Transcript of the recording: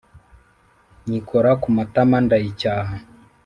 Nyikora ku matama ndayicyaha